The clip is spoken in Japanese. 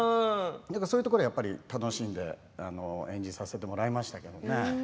そういうところを、やっぱり楽しんで演じさせてもらいましたけれどもね。